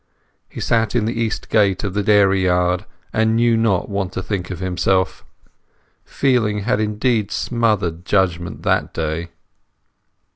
He sat on the east gate of the dairy yard, and knew not what to think of himself. Feeling had indeed smothered judgement that day.